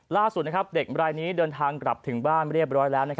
ล่าสุดเด็กรายนี้เดินทางกลับถึงบ้านเรียบร้อยแล้ว